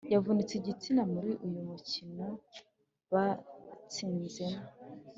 yavunitse igitsina muri uyu mukino batsinzemo